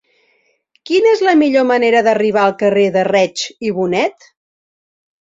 Quina és la millor manera d'arribar al carrer de Reig i Bonet?